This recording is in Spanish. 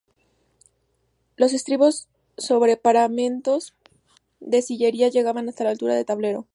Los estribos, sobre paramentos de sillería, llegaban hasta la altura del tablero.